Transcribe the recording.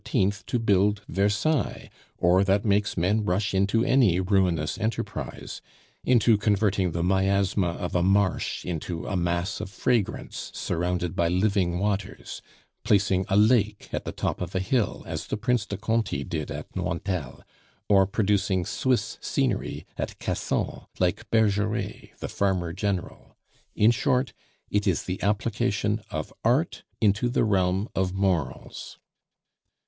to build Versailles, or that makes men rush into any ruinous enterprise into converting the miasma of a marsh into a mass of fragrance surrounded by living waters; placing a lake at the top of a hill, as the Prince de Conti did at Nointel; or producing Swiss scenery at Cassan, like Bergeret, the farmer general. In short, it is the application of art in the realm of morals.